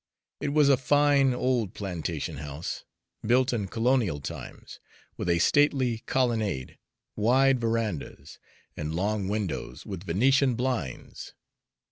It was a fine old plantation house, built in colonial times, with a stately colonnade, wide verandas, and long windows with Venetian blinds.